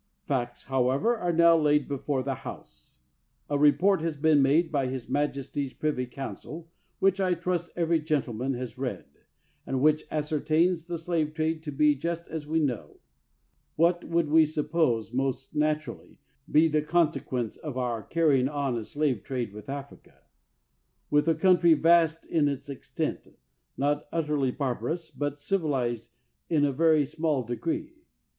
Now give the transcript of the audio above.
Facts, however, are now laid before the House. A report has been made by his maj esty's privy council, which, I trust, every gentleman has read, and which ascertains the slave trade to be just as we know. What should we suppose must naturally be the consequence of our carrying on a slave trade with Africa? With a country vast in its extent, not utterly barbarous, but civilized in a very small degree?